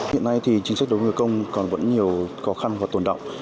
hiện nay thì chính sách đối với người có công còn vẫn nhiều khó khăn và tồn động